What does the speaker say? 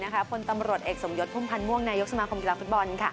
คนตำรวจเอกสมยศพุ่มพันธ์ม่วงนายกสมาคมกีฬาฟุตบอล